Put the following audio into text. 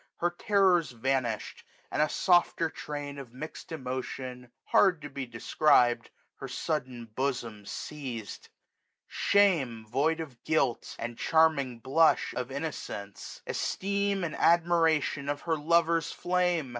Her terrors vanished, and a softer train Of mixt emotions, hard to be described. Her sudden bosom seiz*d : shame void of guilt ; 1355 The charming blush of innocence ; esteem And admiration of her lover's flame.